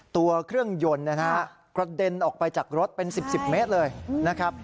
ตัวเครื่องยนต์นะฮะกระเด็นออกไปจากรถเป็น๑๐เมตรเลยนะครับ